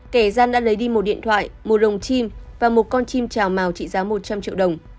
kẻ gian đã lấy đi một điện thoại một lồng chim và một con chim trào mào trị giá một trăm linh triệu đồng